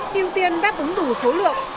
tiêu tiên đáp ứng đủ số lượng